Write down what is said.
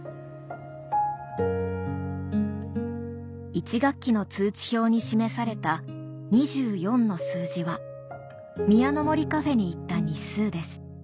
１学期の通知表に示された「２４」の数字はみやの森カフェに行った日数です